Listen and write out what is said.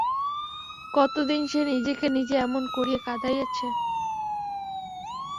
কত দিন সে নিজেকে নিজে এমন করিয়া কাঁদাইয়াছে।